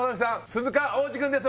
鈴鹿央士くんです